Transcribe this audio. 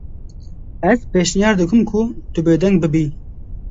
Ez pêşniyar dikim ku tu bêdeng bibî.